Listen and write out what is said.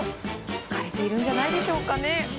疲れているんじゃないでしょうかね。